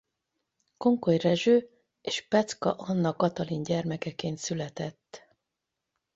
Konkoly Rezső és Peczka Anna-Katalin gyermekeként született.